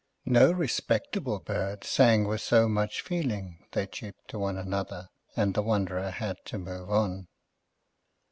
No respectable bird sang with so much feeling, they cheeped one to another, and the wanderer had to move on.